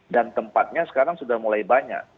dan tempatnya sekarang sudah mulai banyak